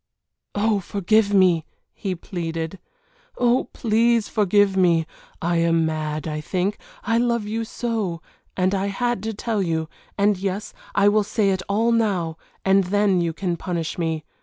"Oh, forgive me!" he pleaded. "Oh, please forgive me! I am mad, I think, I love you so and I had to tell you and yes, I will say it all now, and then you can punish me.